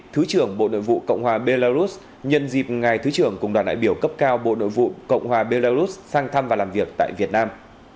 thứ trưởng bộ nội vụ cộng hòa belarus nhân dịp ngài thứ trưởng cùng đoàn đại biểu cấp cao bộ nội vụ cộng hòa belarus sang thăm và làm việc tại việt nam